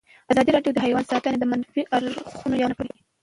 ازادي راډیو د حیوان ساتنه د منفي اړخونو یادونه کړې.